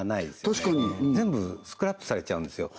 確かに全部スクラップされちゃうんですよ